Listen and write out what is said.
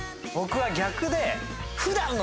僕は逆で。